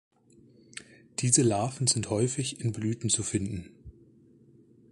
Diese Larven sind häufig in Blüten zu finden.